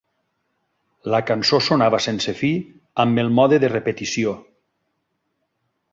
La cançó sonava sense fi amb el mode de repetició.